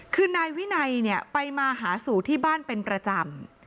คือนายวินัยเนี่ยไปมาหาสู่ที่บ้านเป็นประจำ